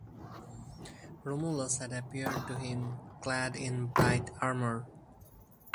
Romulus had appeared to him clad in bright armor.